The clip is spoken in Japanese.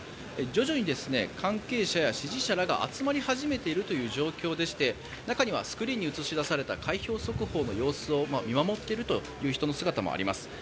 徐々に関係者や支持者らが集まり始めているという状況でして中にはスクリーンに映し出された開票速報の様子を見守っているという人の姿もあります。